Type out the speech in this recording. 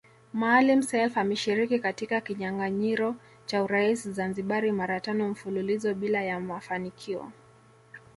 Maalim Self ameshiriki katika kinyanganyiro cha urais Zanzibari mara tano mfululizo bila ya mafanikio